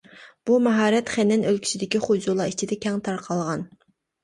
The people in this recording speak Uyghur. بۇ ماھارەت خېنەن ئۆلكىسىدىكى خۇيزۇلار ئىچىدە كەڭ تارقالغان.